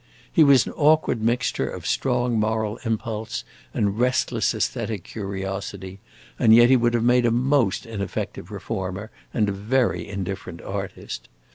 He was an awkward mixture of strong moral impulse and restless aesthetic curiosity, and yet he would have made a most ineffective reformer and a very indifferent artist.